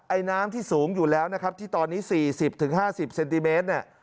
ไอน้ำที่สูงอยู่แล้วนะครับที่ตอนนี้สี่สิบถึงห้าสิบเซนติเมตรเนี่ย